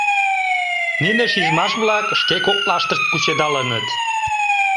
Нине шижмаш-влак шке коклаштышт кучедалыныт.